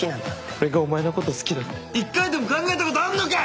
俺がお前のこと好きだって一回でも考えたことあんのかよ！